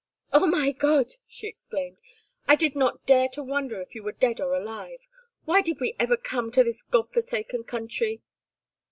"Oh, my God!" she exclaimed. "I did not dare to wonder if you were dead or alive. Why did we ever come to this God forsaken country?"